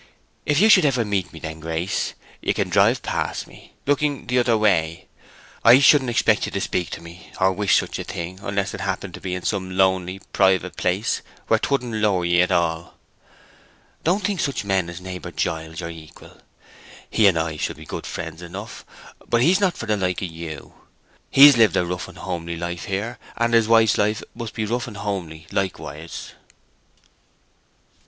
If you should ever meet me then, Grace, you can drive past me, looking the other way. I shouldn't expect you to speak to me, or wish such a thing, unless it happened to be in some lonely, private place where 'twouldn't lower ye at all. Don't think such men as neighbor Giles your equal. He and I shall be good friends enough, but he's not for the like of you. He's lived our rough and homely life here, and his wife's life must be rough and homely likewise."